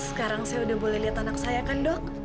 sekarang saya udah boleh lihat anak saya kan dok